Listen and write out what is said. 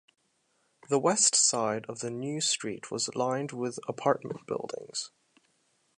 The west side of the new street was lined with apartment buildings.